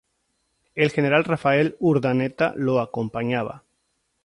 El general Rafael Urdaneta lo acompañaba.